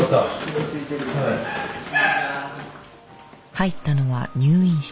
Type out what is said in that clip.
入ったのは入院室。